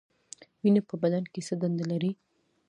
وینه په بدن کې څه دنده لري؟